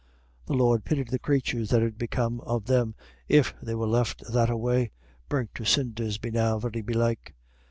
The Lord pity the crathurs, what 'ud become of them if they was left thataway? Burnt to cinders be now very belike."